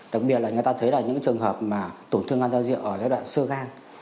đặc biệt là người ta thấy là những trường hợp tổn thương gan do rượu ở giai đoạn sơ gan